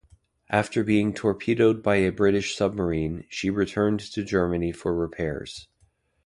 After being torpedoed by a British submarine, she returned to Germany for repairs.